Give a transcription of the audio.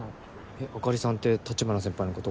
えっあかりさんって立花先輩のこと？